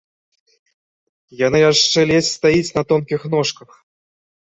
Яна яшчэ ледзь стаіць на тонкіх ножках.